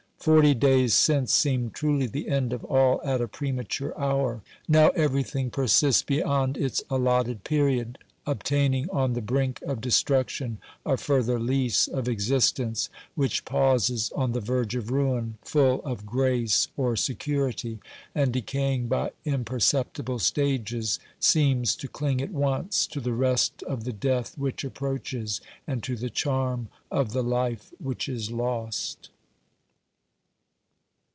Forty days since seemed truly the end of all at a premature hour; now everything persists beyond its allotted period, obtaining on the brink of destruction a further lease of existence, which pauses on the verge of ruin, full of grace or security, and, decaying by imperceptible stages, seems to cling at once to the rest of the death which approaches and to the charm of the life which is lost.